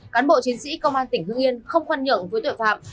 cán bộ chiến sĩ công an tỉnh hương yên không khoan nhượng với tội phạm